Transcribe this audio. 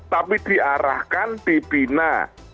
tapi diarahkan dibina